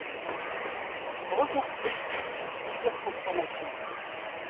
Reconstruit, il subit plusieurs transformations.